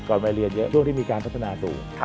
ก่อนไปเรียนเยอะช่วงที่มีการพัฒนาตัว